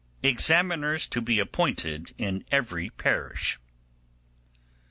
Examiners to be appointed in every Parish.